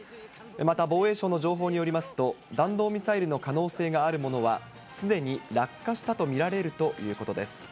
また防衛省の情報によりますと、弾道ミサイルの可能性があるものは、すでに落下したと見られるということです。